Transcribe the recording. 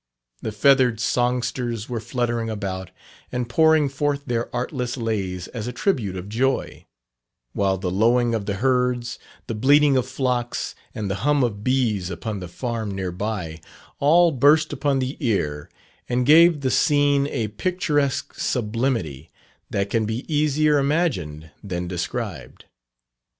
The feathered songsters were fluttering about, and pouring forth their artless lays as a tribute of joy; while the lowing of the herds, the bleating of flocks, and the hum of bees upon the farm near by, all burst upon the ear, and gave the scene a picturesque sublimity that can be easier imagined than described.